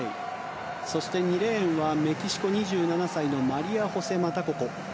そして２レーンはメキシコ、２７歳のマリア・ホセ・マタ・ココ。